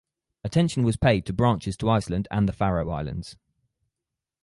Attention was paid to branches to Iceland and the Faroe Islands.